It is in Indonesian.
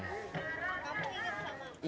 kamu ingat sama